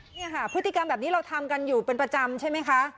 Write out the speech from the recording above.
เนี่ยค่ะพฤติกรรมแบบนี้เราทำกันอยู่เป็นประจำใช่ไหมคะ